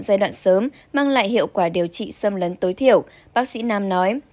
giai đoạn sớm mang lại hiệu quả điều trị xâm lấn tối thiểu bác sĩ nam nói